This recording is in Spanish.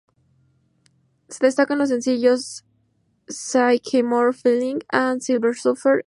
Se destacan los sencillos ""Sycamore Feeling"" y ""Silver Surfer, Ghost Rider Go!!!"".